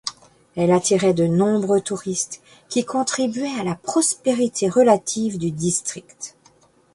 Elle attirait de nombreux touristes, qui contribuaient à la prospérité relative du district.